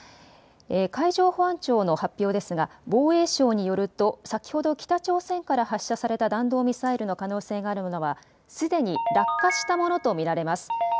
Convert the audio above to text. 海上保安庁の発表ですが防衛省によると先ほど北朝鮮から発射された弾道ミサイルの可能性があるのはすでに落下したものと見られます。